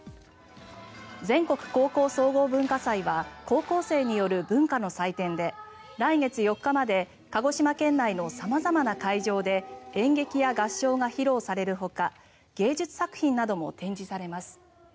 全国高校総合文化祭は高校生による文化の祭典で来月４日まで鹿児島県内の様々な会場で演劇や合唱が披露されるほか芸術作品なども展示されます。